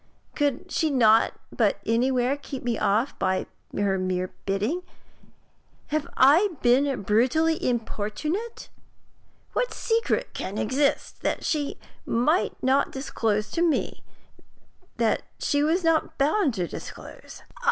Could she not anywhere keep me off by her mere bidding? Have I been brutally importunate? What secret can exist that she might not disclose to me that she was not bound to disclose?